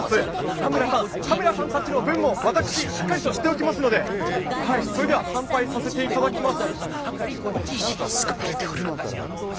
カメラさんたちの分も私、しっかりしておきますので、それでは参拝させていただきます。